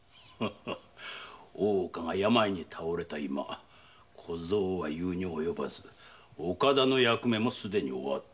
大岡が病に倒れた今小僧は言うに及ばず岡田の役目もすでに終わった。